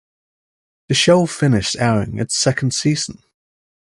The show finished airing its second season.